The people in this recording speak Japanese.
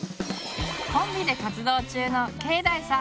コンビで活動中のけいだいさん。